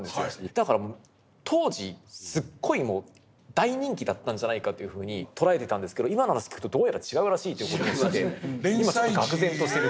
だから当時すっごいもう大人気だったんじゃないかというふうに捉えてたんですけど今の話聞くとどうやら違うらしいという事でして今ちょっとがく然としてる。